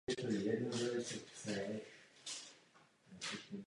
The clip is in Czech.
Navštěvoval rovněž přednášky Jana Nejedlého na univerzitě.